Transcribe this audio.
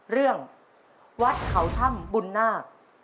เรื่องวัดเขาถ้ำบุญนาค